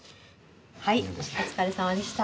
はいお疲れさまでした。